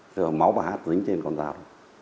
thì là máu bà hát dính trên con dao